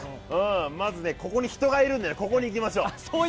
まずここに人がいるので、ここに行きましょう！